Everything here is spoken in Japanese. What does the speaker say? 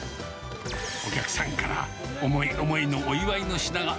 お客さんから思い思いのお祝いの品が。